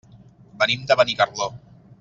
Venim de Benicarló.